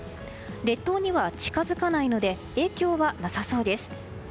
列島には近づかないので影響はなさそうです。